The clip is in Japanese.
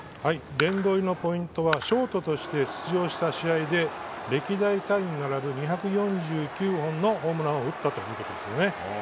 殿堂入りのポイントはショートとして出場した試合で歴代タイに並ぶ２４９本のホームランを打ったことですね。